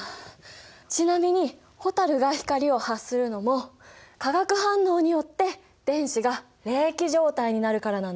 ちなみに蛍が光を発するのも化学反応によって電子が励起状態になるからなんだよ。